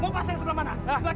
mau pasang sebelah mana